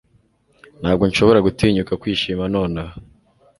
Ntabwo nshobora gutinyuka kwishima nonaha